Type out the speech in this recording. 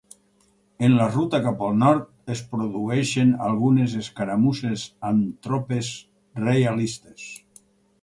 En la ruta cap al nord es produeixen algunes escaramusses amb tropes reialistes.